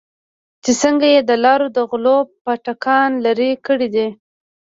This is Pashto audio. چې څنگه يې د لارو د غلو پاټکان لرې کړې دي.